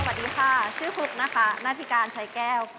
สวัสดีค่ะชื่อฟุตนะคะนาธิการชัยแก้ว